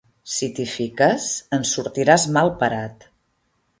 Si t'hi fiques en sortiràs malparat.